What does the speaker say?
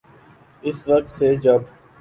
اس وقت سے جب